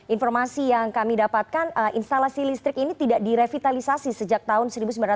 informasi yang kami dapatkan instalasi listrik ini tidak direvitalisasi sejak tahun seribu sembilan ratus sembilan puluh